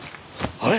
あれ！？